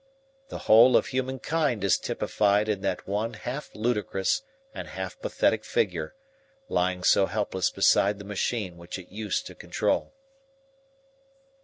The whole of human kind is typified in that one half ludicrous and half pathetic figure, lying so helpless beside the machine which it used to control.